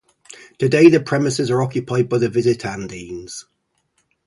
Today, the premises are occupied by the Visitandines.